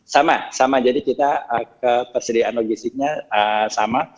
sama sama jadi kita ketersediaan logistiknya sama